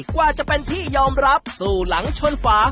กว่าจะเป็นที่ยอมรับสู่หลังชนฝา